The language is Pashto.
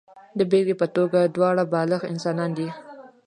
د بېلګې په توګه دواړه بالغ انسانان دي.